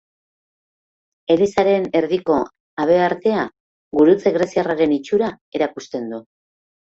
Elizaren erdiko habeartea gurutze greziarraren itxura erakusten du.